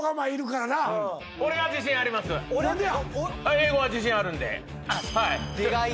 英語は自信あるんで。